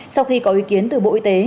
sau khi có ý kiến từ bộ y tế